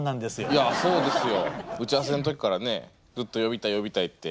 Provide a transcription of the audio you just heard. いやそうですよ。打ち合わせの時からねずっと呼びたい呼びたいって。